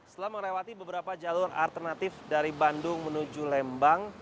setelah melewati beberapa jalur alternatif dari bandung menuju lembang